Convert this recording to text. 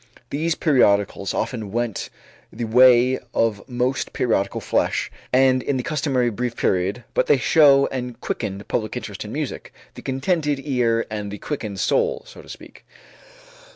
These periodicals often went the way of most periodical flesh and in the customary brief period, but they show a quickened public interest in music the "contented ear and the quickened soul," so to speak.